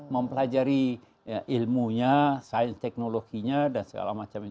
mempelajari ilmunya sains teknologinya dan segala macam itu